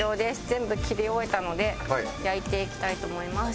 全部切り終えたので焼いていきたいと思います。